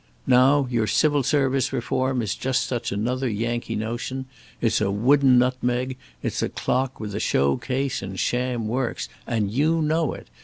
Now, your Civil Service Reform is just such another Yankee notion; it's a wooden nutmeg; it's a clock with a show case and sham works. And you know it!